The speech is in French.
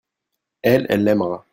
elle, elle aimera.